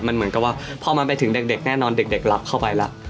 มันเหมือนกับว่าพอมันไปถึงเด็กแน่นอนเด็กหลับเข้าไปแล้ว